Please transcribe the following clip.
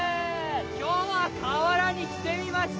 今日は河原に来てみました！